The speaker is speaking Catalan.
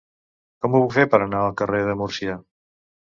Com ho puc fer per anar al carrer de Múrcia?